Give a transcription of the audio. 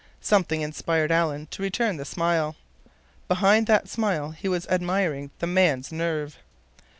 Something inspired Alan to return the smile. Behind that smile he was admiring the man's nerve.